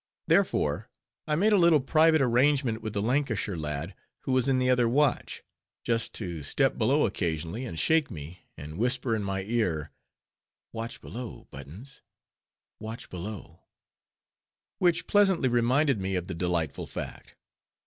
Therefore I made a little private arrangement with the Lancashire lad, who was in the other watch, just to step below occasionally, and shake me, and whisper in my ear—_"Watch below, Buttons; watch below"—_which pleasantly reminded me of the delightful fact.